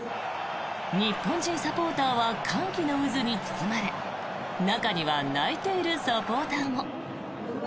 日本人サポーターは歓喜の渦に包まれ中には泣いているサポーターも。